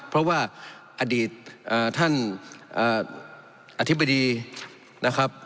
เพราะว่าอดีตท่านอธิบดีนะครับ